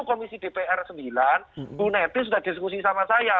komisi dpr sembilan bu neti sudah diskusi sama saya